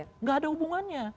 tidak ada hubungannya